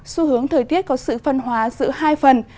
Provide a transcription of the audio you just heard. xu hướng thời tiết có sự phân hóa giữa hai phần